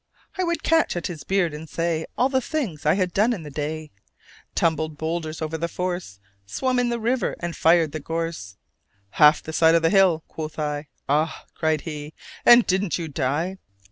I would catch at his beard and say All the things I had done in the day Tumbled bowlders over the force, Swum in the river and fired the gorse "Half the side of the hill!" quoth I: "Ah!" cried he, "and didn't you die?"